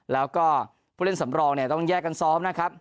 แล้วก็ผู้เล่นสำรองเนี่ยต้องแยกกันซ้อมนะครับ